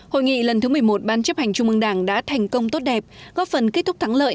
hội nghị lần thứ một mươi một ban chấp hành trung ương đảng đã thành công tốt đẹp góp phần kết thúc thắng lợi